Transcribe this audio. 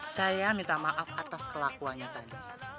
saya minta maaf atas kelakuannya tadi